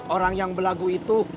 orang yang berlagu itu